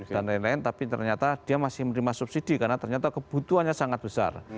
dan lain lain tapi ternyata dia masih menerima subsidi karena ternyata kebutuhannya sangat besar